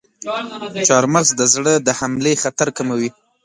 چارمغز د زړه د حملې خطر کموي.